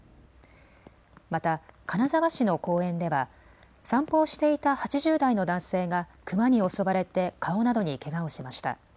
また、金沢市の公園では散歩をしていた８０代の男性がクマに襲われて顔などにけがをしました。